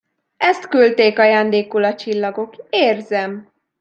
Ezt küldték ajándékul a csillagok, érzem!